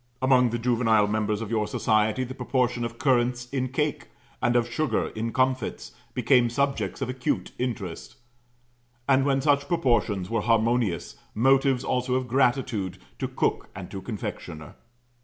Among the juvenile members of your society the proportion of currants in cake, and of sugar in comfits, became subjects of acute interest; and, when such proportions were harmonious, motives also of gratitude to cook and to confectioner.